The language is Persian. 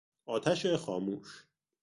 آتش خاموش